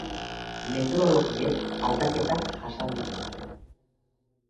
Metodologiek aldaketak jasan dituzte.